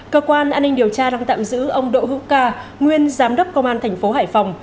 cơ quan an ninh điều tra đang tạm giữ ông đỗ hữu ca nguyên giám đốc công an thành phố hải phòng